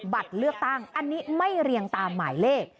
บัตรเลือกตั้งอันนี้ไม่เรียงตามหมายเลข